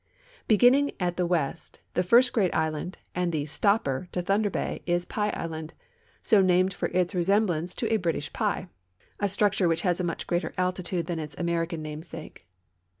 Beginning at the Avest, the first great island, and the " stopper " to Thunder bay, is Pie island, so named from its resemblance to a British pie — a structure which has a much greater altitude than its American namesake.